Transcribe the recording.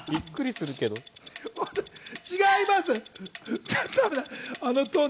違います。